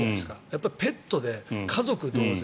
やっぱりペットで家族同然。